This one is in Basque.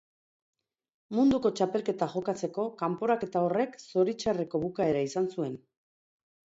Munduko txapelketa jokatzeko kanporaketa horrek zoritxarreko bukaera izan zuen.